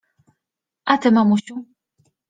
A ty, mamusiu?